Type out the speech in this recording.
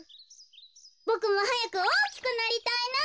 ボクもはやくおおきくなりたいな。